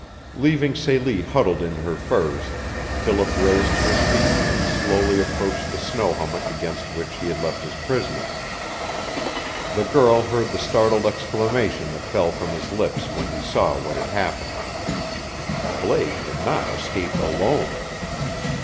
Leaving Celie huddled in her furs, Philip rose to his feet and slowly approached the snow hummock against which he had left his prisoner. The girl heard the startled exclamation that fell from his lips when he saw what had happened. Blake had not escaped alone.